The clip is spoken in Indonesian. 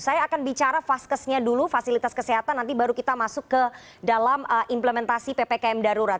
saya akan bicara faskesnya dulu fasilitas kesehatan nanti baru kita masuk ke dalam implementasi ppkm darurat